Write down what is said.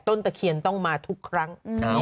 ตะเคียนต้องมาทุกครั้ง